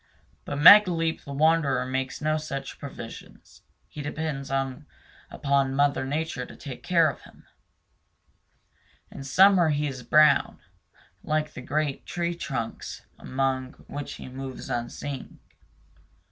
But Megaleep the Wanderer makes no such provision he depends upon Mother Nature to take care of him. In summer he is brown, like the great tree trunks among which he moves unseen.